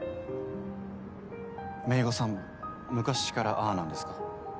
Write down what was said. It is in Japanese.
めいごさん昔からああなんですか？